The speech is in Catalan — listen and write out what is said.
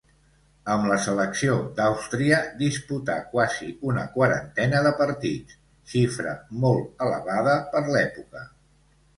Amb la selecció d'Àustria disputà quasi una quarantena de partits, xifra molt elevada per l'època.